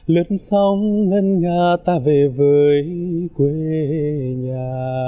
lướt sông ngân nga ta về với quê nhà